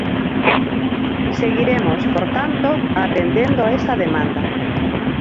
Seguiremos, por tanto, atendendo esa demanda.